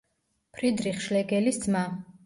ფრიდრიხ შლეგელის ძმა.